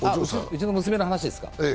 うちの娘ですか？